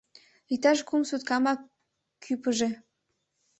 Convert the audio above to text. Иктаж кум суткамак кӱпыжӧ.